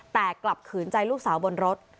แต่กลับขืนใจลูกสาวบนรถ